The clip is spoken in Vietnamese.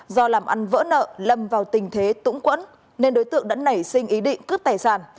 do làm ăn vỡ nợ lâm vào tình thế lũng quẫn nên đối tượng đã nảy sinh ý định cướp tài sản